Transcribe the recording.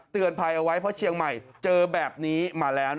ภัยเอาไว้เพราะเชียงใหม่เจอแบบนี้มาแล้ว